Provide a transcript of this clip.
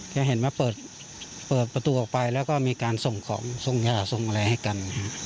เขาเห็นมาเปิดประตูนี้แล้วก็มีการส่งผ้าใช้ส่งความอยากดูให้กัน